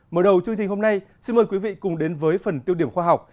mở đầu chương trình hôm nay xin mời quý vị cùng đến với phần tiêu điểm khoa học